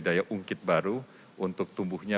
daya ungkit baru untuk tumbuhnya